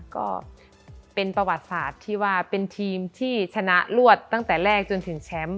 ก็เป็นประวัติศาสตร์ที่ว่าเป็นทีมที่ชนะรวดตั้งแต่แรกจนถึงแชมป์